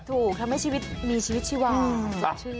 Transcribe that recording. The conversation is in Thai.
ถูกทำให้ชีวิตมีชีวิตชีวาสดชื่น